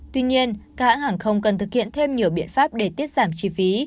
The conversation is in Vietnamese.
tuy nhiên các hãng hàng không cần thực hiện thêm nhiều biện pháp để tiết giảm chi phí